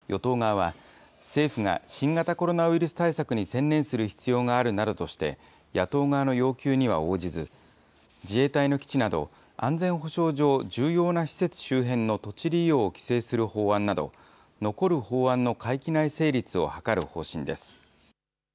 与党側は、政府が新型コロナウイルス対策に専念する必要があるなどとして、野党側の要求には応じず、自衛隊の基地など、安全保障上、重要な施設周辺の土地利用を規制する法案など、残る法案の会期内成立を図る方針です。